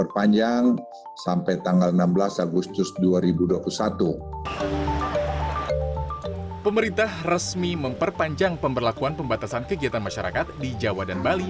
pembatasan kegiatan masyarakat di jawa dan bali